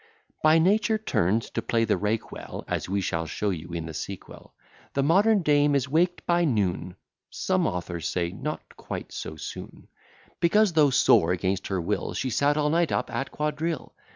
By nature turn'd to play the rake well, (As we shall show you in the sequel,) The modern dame is waked by noon, (Some authors say not quite so soon,) Because, though sore against her will, She sat all night up at quadrille.